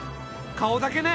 顔だけね。